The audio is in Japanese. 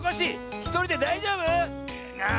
ひとりでだいじょうぶ⁉ああ